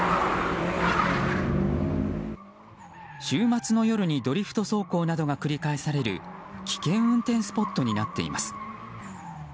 週末の夜にドリフト走行などが繰り返される危険運転スポットになっています。